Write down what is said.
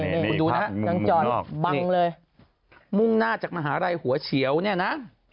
คุณดูนะครับมุ่งหน้าจากมหาลัยหัวเฉียวเนี่ยนะ